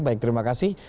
baik terima kasih